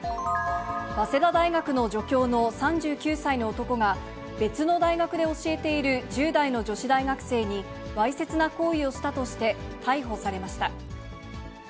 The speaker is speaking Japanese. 早稲田大学の助教の３９歳の男が、別の大学で教えている１０代の女子大学生に、わいせつな行為をしたとして、逮捕されました。